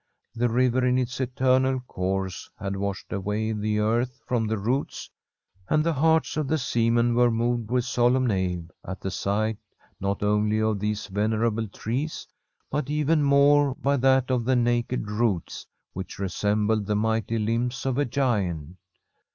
The river in its eternal course had washed away the earth from the roots, and the hearts of the seamen were moved with solemn awe at the sight, not only of these venerable trees, but even more by that of the naked roots, which resembled the mighty limbs of a giant.